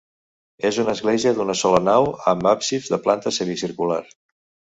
És una església d'una sola nau amb absis de planta semicircular.